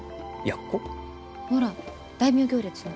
ほら大名行列の。